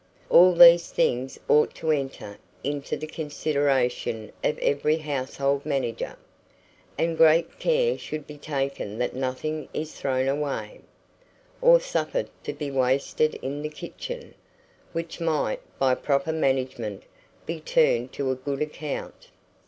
All these things ought to enter into the consideration of every household manager, and great care should be taken that nothing is thrown away, or suffered to be wasted in the kitchen, which might, by proper management, be turned to a good account.